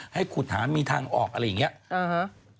ให้ขุดหามีทางออกอะไรอย่างนี้